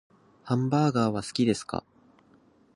ハンバーガーは好きですか？